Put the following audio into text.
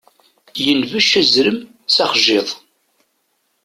Yenbec azrem s axjiḍ.